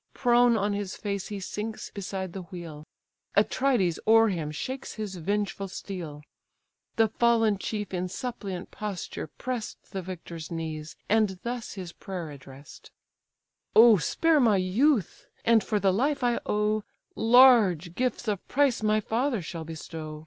Prone on his face he sinks beside the wheel: Atrides o'er him shakes his vengeful steel; The fallen chief in suppliant posture press'd The victor's knees, and thus his prayer address'd: "O spare my youth, and for the life I owe Large gifts of price my father shall bestow.